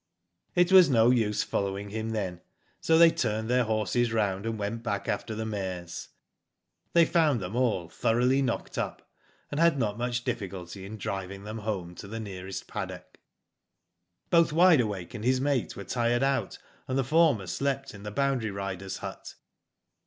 " It was no use following him then, so they turned their horses round, and went back after the H Digitized byGoogk 98 WHO DID ITf mares. They found them all thoroughly knocked up, and had not much difficulty in driving them home to the nearest paddock. *'Both Wide Awake and his mate were tired out, and the former slept in the boundary rider's hut.